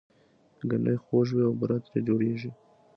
ګنی خوږ وي او بوره ترې جوړیږي